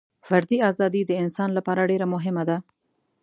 فردي ازادي د انسان لپاره ډېره مهمه ده.